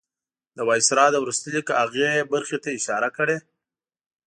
د وایسرا د وروستي لیک هغې برخې ته اشاره کړې.